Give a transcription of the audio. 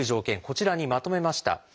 こちらにまとめました。